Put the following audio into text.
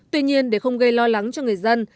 tuy nhiên để không gây lo lắng cho người dân